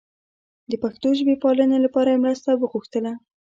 د پښتو ژبې پالنې لپاره یې مرسته وغوښتله.